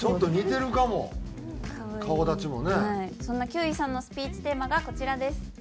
そんな休井さんのスピーチテーマがこちらです。